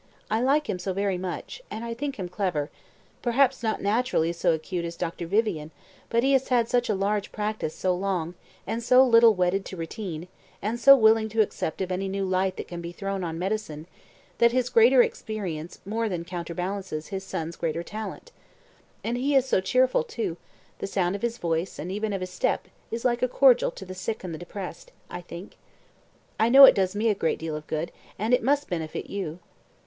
I like him so very much, and I think him clever perhaps not naturally so acute as Dr. Vivian, but he has had a large practice so long, and so little wedded to routine, and so willing to accept of any new light that can be thrown on medicine, that his greater experience more than counterbalances his son's greater talent. And he is cheerful, too; the sound of his voice, and even of his step, is like a cordial to the sick and the depressed, I think. I know it does me a great deal of good, and it must benefit you."